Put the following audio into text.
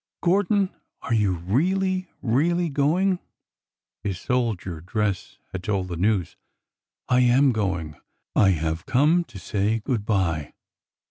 " Gordon, are you really, really going ?" His soldier dress had told the news. " I am going. I have come to say good by."